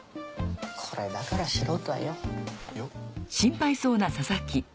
これだから素人はよ。よ？